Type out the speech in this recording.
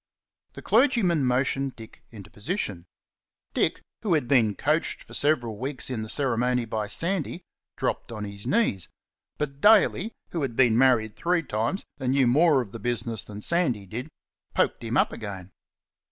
The clergyman motioned Dick into position. Dick, who had been coached for several weeks in the ceremony by Sandy, dropped on his knees; but Daley, who had been married three times and knew more of the business than Sandy did, poked him up again.